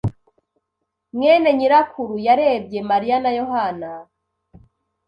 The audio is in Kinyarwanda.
mwene nyirakuru yarebye Mariya na Yohana.